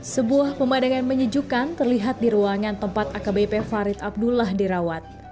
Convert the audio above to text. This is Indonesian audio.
sebuah pemandangan menyejukkan terlihat di ruangan tempat akbp farid abdullah dirawat